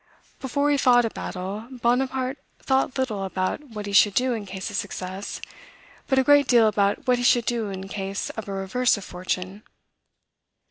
"Before he fought a battle, Bonaparte thought little about what he should do in case of success, but a great deal about what he should do in case of a reverse of fortune.